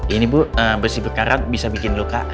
ini bu besi bekarat bisa bikin luka